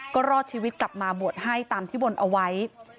ก็รอดชีวิตกลับมาบวชให้ตามที่บนเอาไว้